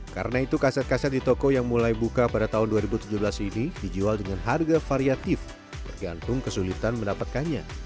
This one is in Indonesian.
karena itu kaset kaset di toko yang mulai buka pada tahun dua ribu tujuh belas ini dijual dengan harga variatif bergantung kesulitan mendapatkannya